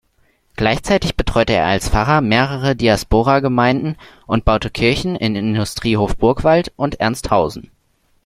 Gleichzeitig betreute er als Pfarrer mehrere Diasporagemeinden und baute Kirchen in Industriehof-Burgwald und Ernsthausen.